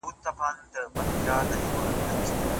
نه دعا او نه درودونو اثر وکړ